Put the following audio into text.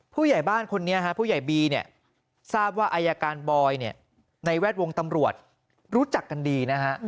ผู้ใหญ่บ้านคนนี้ฮะผู้ใหญ่บีเนี่ยทราบว่าอายการบอยในแวดวงตำรวจรู้จักกันดีนะฮะ